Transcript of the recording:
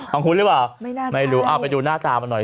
ของคุณหรือเปล่าไม่รู้เอาไปดูหน้าตามันหน่อย